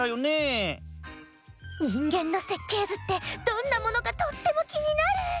人間の設計図ってどんなものかとってもきになる！